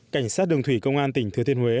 cảnh sát đường thủy công an tỉnh